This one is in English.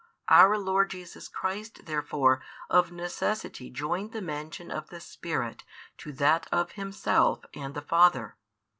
Our Lord Jesus Christ therefore of necessity joined the mention |431 of the Spirit to that of Himself and the Father.